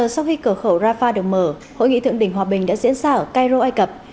sau khi cửa khẩu rafah được mở hội nghị thượng đỉnh hòa bình đã diễn ra ở cairo ai cập